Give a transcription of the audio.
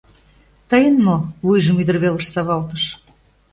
— Тыйын мо? — вуйжым ӱдыр велыш савалтыш.